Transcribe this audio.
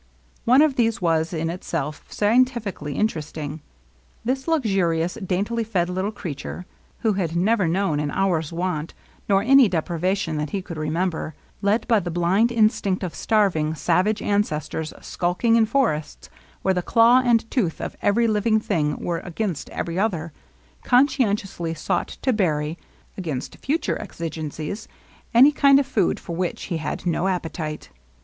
One of these was in itself scientifically interest ing. This luxurious, daintily fed little creature, who had never known an hour's want nor any deprivation that he could remember, led by the LOVELINESS. 9 blind instinct of starving, savage ancestors skulking in forests where the claw and tooth of every living thing were against every other, conscientiously sought to bury, against future exigencies, any kind of food for which he had no appetite.